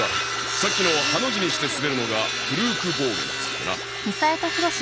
さっきのハの字にして滑るのがプルークボーゲンっつってな。